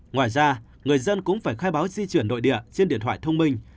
ngoài ra người dân cũng phải khai báo di chuyển nội địa trên điện thoại thông minh